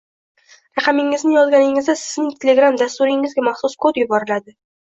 Raqamingizni yozganingizda Sizning Telegram dasturingizga maxsus kod yuboriladi